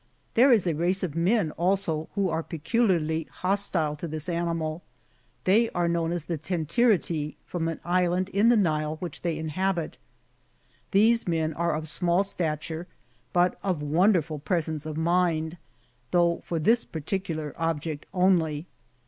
There is a race of men also, who are peculiarly hostile to this animal ; they are known as the Tentyritfe, from an island in the Xile which they inhabit.^^ These men are of small stature, but of wonderful presence of mind, though for this particular object only.